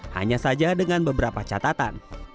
hanya saja dengan beberapa catatan